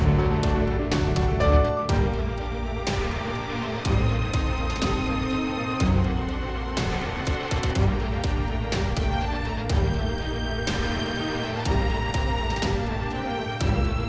ngapain lagi kamu disini